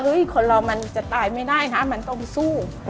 คนเรามันจะตายไม่ได้นะมันต้องสู้